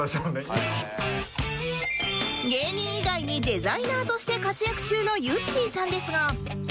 芸人以外にデザイナーとして活躍中のゆってぃさんですが